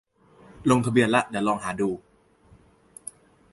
ลงทะเบียนละ เดี๋ยวลองหาดู